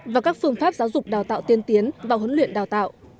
và các phương pháp giáo dục đào tạo tiên tiến vào huấn luyện đào tạo